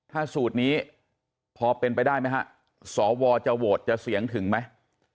ถ้าสูตรนี้พอเป็นไปได้ไหมฮะสวจะโหวตจะเสียงถึงไหม